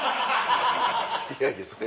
いやいやそれ